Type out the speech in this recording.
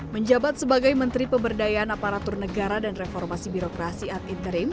menjabat sebagai menteri pemberdayaan aparatur negara dan reformasi birokrasi ad interim